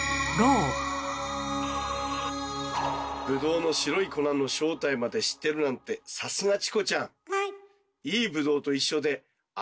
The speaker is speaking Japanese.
ブドウの白い粉の正体まで知ってるなんてさすがチコちゃん！